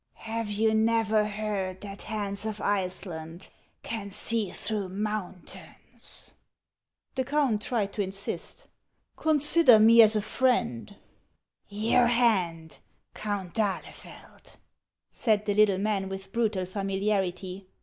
" Have you never heard that Hans of Iceland can see through mountains ?" The count tried to insist. " Consider me as a friend." " Your hand, Count d'Ahlefeld," said the little man, with brutal familiarity.